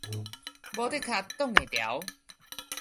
無的確擋會牢